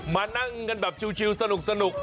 มานั่งกันแบบชิลสนุก